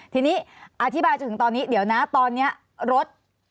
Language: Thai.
ทีนี้อธิบายจนถึงตอนนี้เดี๋ยวนะตอนนี้รถ